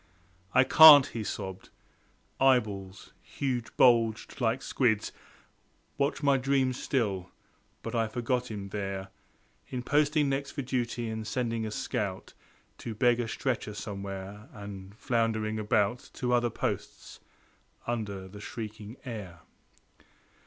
"I can't," he sobbed. Eyeballs, huge bulged like squids Watch my dreams still; but I forgot him there In posting next for duty, and sending a scout To beg a stretcher somewhere, and floundering about To other posts under the shrieking air.